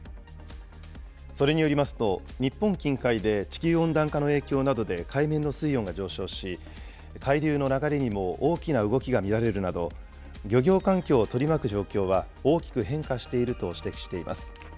それによりますと、日本近海で地球温暖化の影響などで海面の水温が上昇し、海流の流れにも大きな動きが見られるなど、漁業環境を取り巻く状況は大きく変化していると指摘しています。